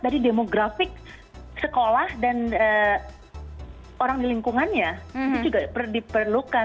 jadi demografik sekolah dan orang di lingkungannya itu juga diperlukan